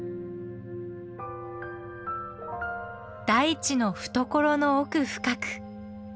大地の懐の奥深く。